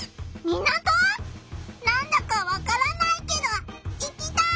なんだかわからないけど行きたい！